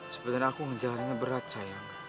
sebenarnya aku ngejalaninnya berat sayang